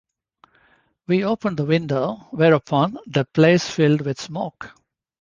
We opened the window whereupon the place filled with smoke.